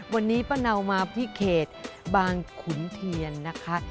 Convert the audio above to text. วันนี้ป้าเนามาที่เขตบางขุนเทียนนะคะ